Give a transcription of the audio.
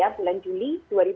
bulan juli dua ribu dua puluh